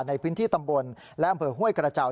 ในพื้นที่ตำบลและอำเภอห้วยกระเจ้า